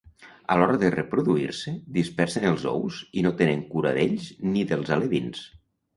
A l'hora de reproduir-se, dispersen els ous i no tenen cura d'ells ni dels alevins.